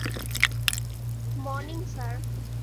Morning, sir.